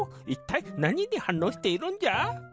いったいなににはんのうしているんじゃ？